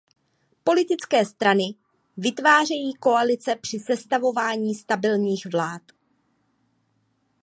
Politické strany vytvářejí koalice při sestavování stabilních vlád.